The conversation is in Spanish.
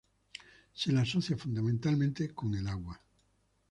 Se le asocia fundamentalmente con el agua.